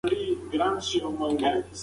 هغه خپله صافه په ونه کې کېښوده.